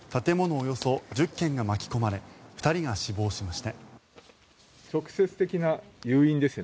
およそ１０軒が巻き込まれ２人が死亡しました。